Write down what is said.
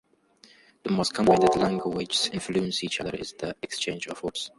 The most common way that languages influence each other is the exchange of words.